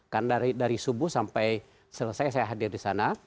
kan dari subuh sampai selesai saya hadir di sana